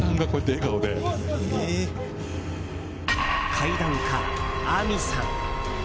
怪談家、ぁみさん。